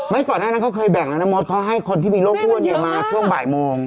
ไม่ก่อนหน้านั้นเขาเคยแบ่งอันนมรเพราะให้คนที่มีโรคปวดในในมาช่วงบ่ายโมง